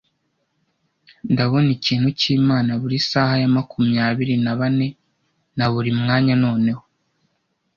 Ndabona ikintu cyImana buri saha ya makumyabiri na bane, na buri mwanya noneho,